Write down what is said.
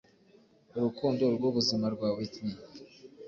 urukundo rw'ubuzima rwa Whitney,